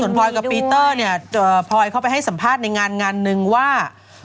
ส่วนพลอยกับปีเตอร์พลอยเข้าไปให้สัมภาษณ์ในงานนึงว่า